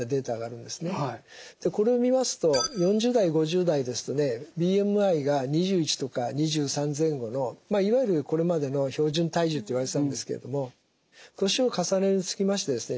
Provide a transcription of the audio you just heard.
これを見ますと４０代５０代ですとねＢＭＩが２１とか２３前後のいわゆるこれまでの標準体重といわれてたんですけれども年を重ねるにつきましてですね